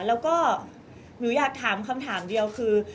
แล้วก็หนูอยากถามคำถามเดียวคือ